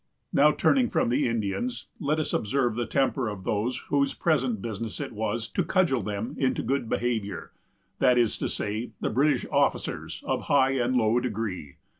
Now, turning from the Indians, let us observe the temper of those whose present business it was to cudgel them into good behavior; that is to say, the British officers, of high and low degree.